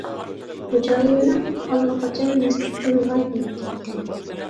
خوجايىنىڭ ئاللىقاچان مەستلىكتىن لاي بولۇپ كەتتى.